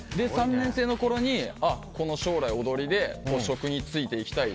３年生のころに将来、踊りで職に就いていきたい。